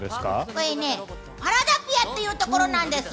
これねパラダピアというところです。